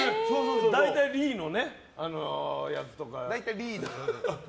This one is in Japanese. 大体、リーのやつとかね。